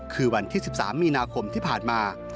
คือวันที่๑๓มีนาคมที่ผ่านมา